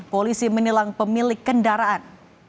polisi menilang pemilik kendaraan